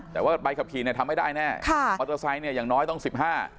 แต่ว่าใบขับขี่เนี่ยทำไม่ได้แน่ค่ะมอเตอร์ไซค์เนี่ยอย่างน้อยต้องสิบห้า